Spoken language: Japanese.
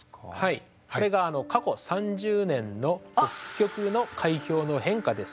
これが過去３０年の北極の海氷の変化です。